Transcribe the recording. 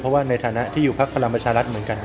เพราะว่าในฐานะที่อยู่พักพลังประชารัฐเหมือนกัน